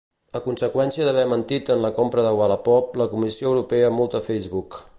A conseqüència d'haver mentit en la compra de Whatsapp, la Comissió Europea multa Facebook.